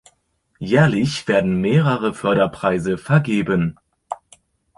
Jährlich werden mehrere Förderpreise vergeben.